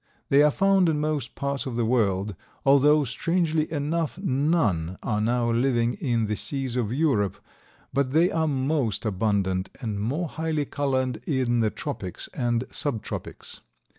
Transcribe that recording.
They are found in most parts of the world, although strangely enough none are now living in the seas of Europe, but they are most abundant and more highly colored in the tropics and subtropics.